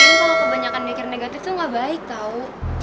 mungkin kalo kebanyakan mikir negatif tuh gak baik tau